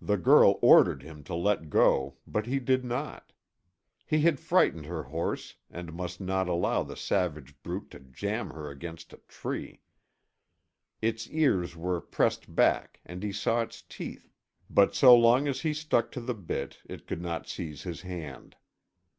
The girl ordered him to let go, but he did not. He had frightened her horse and must not allow the savage brute to jamb her against a tree. Its ears were pressed back and he saw its teeth, but so long as he stuck to the bit, it could not seize his hand.